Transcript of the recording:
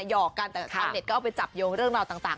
หอกกันแต่ชาวเน็ตก็เอาไปจับโยงเรื่องราวต่าง